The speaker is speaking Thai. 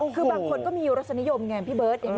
คือบางคนก็มีอยู่ลักษณะนิยมไงพี่เบิร์ต